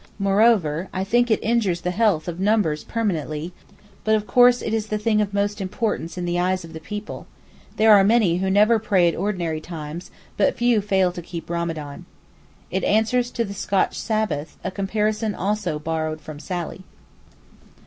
Moreover, I think it injures the health of numbers permanently, but of course it is the thing of most importance in the eyes of the people; there are many who never pray at ordinary times, but few fail to keep Ramadán. It answers to the Scotch Sabbath, a comparison also borrowed from Sally.